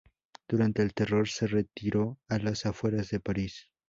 Durante el "Terror" se retiró a las afueras de París.